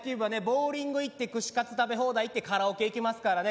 ボウリング行って串カツ食べ放題行ってカラオケ行きますからね。